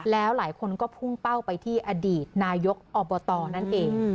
แล้วหลายคนก็พุ่งเป้าไปที่อดีตนายกอบตนั่นเอง